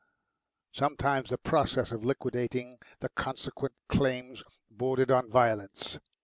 Sometimes the process of liquidating the consequent claims bordered on violence.